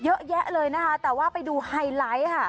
เยอะแยะเลยนะคะแต่ว่าไปดูไฮไลท์ค่ะ